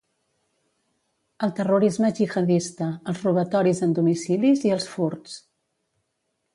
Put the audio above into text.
El terrorisme jihadista, els robatoris en domicilis i els furts.